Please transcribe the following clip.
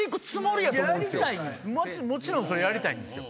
もちろんそれやりたいんですよ